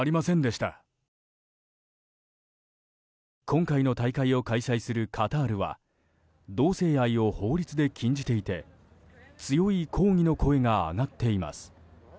今回の大会を開催するカタールは同性愛を法律で禁じていて強い抗議の声が上がっています。